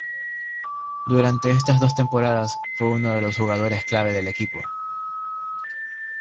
Durante estas dos temporadas fue uno de los jugadores clave del equipo.